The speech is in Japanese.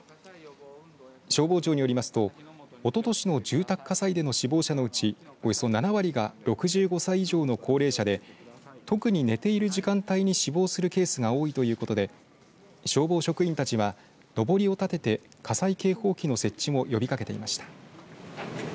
消防庁によりますとおととしの住宅火災での死亡者のうちおよそ７割が６５歳以上の高齢者で特に寝ている時間帯に死亡するケースが多いということで消防職員たちはのぼりを立てて火災警報器の設置も呼びかけていました。